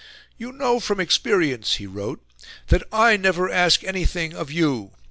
"You know from experience," he wrote, "that I NEVER ASK ANYTHING OF YOU...